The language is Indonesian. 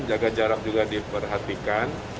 jaga jarak juga diperhatikan